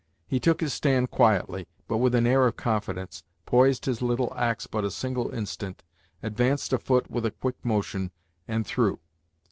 He took his stand quietly, but with an air of confidence, poised his little axe but a single instant, advanced a foot with a quick motion, and threw.